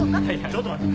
ちょっと待って。